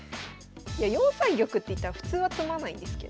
いや４三玉っていったら普通は詰まないんですけど。